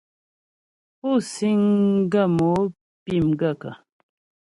Pú síŋ ghə́ mo pí m gaə̂kə́ ?